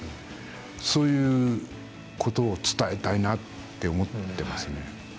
そういうことを伝えたいなって思っていますね。